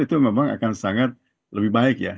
itu memang akan sangat lebih baik ya